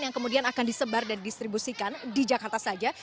yang kemudian akan disebar dan distribusikan di jakarta saja